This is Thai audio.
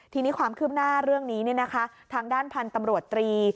ทีนี้ความคืบหน้าเรื่องนี้ทางด้านพันธุ์ตำรวจตรี